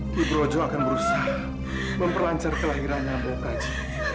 kibrojo akan berusaha memperlancar kelahirannya mbak praji